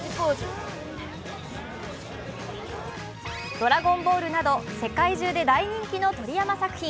「ドラゴンボール」など世界中で大人気の鳥山作品。